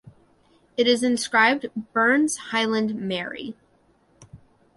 It is inscribed "Burns Highland Mary".